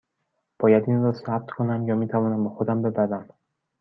باید این را ثبت کنم یا می توانم با خودم ببرم؟